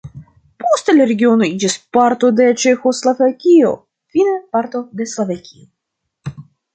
Poste la regiono iĝis parto de Ĉeĥoslovakio, fine parto de Slovakio.